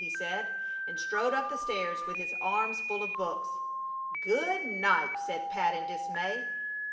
he said, and strode up the stairs with his arms full of books. "Good night!" said Pat, in dismay.